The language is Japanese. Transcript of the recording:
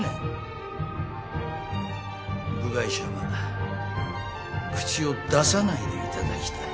部外者は口を出さないでいただきたい。